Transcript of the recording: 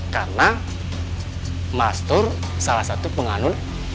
karena mas tur salah satu sepuluh anu